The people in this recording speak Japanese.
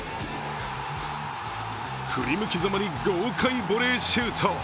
振り向きざまに豪快ボレーシュート。